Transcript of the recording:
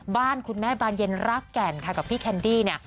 บ้านคุณแม่บานเย็นรากแก่นค่ะกับพี่แคนดี้เนี่ย